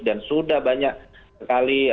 dan sudah banyak sekali